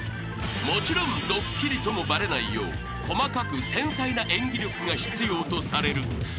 ［もちろんドッキリともバレないよう細かく繊細な演技力が必要とされる］